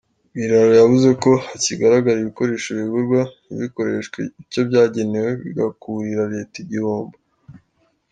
Biraro yavuze ko hakigaragara ibikoresho bigurwa ntibikoreshwe icyo byagenewe bigakurira Leta igihombo.